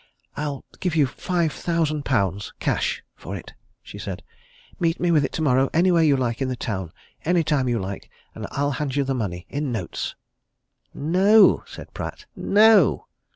"I'll give you five thousand pounds cash for it," she said. "Meet me with it tomorrow anywhere you like in the town any time you like and I'll hand you the money in notes." "No!" said Pratt. "No!"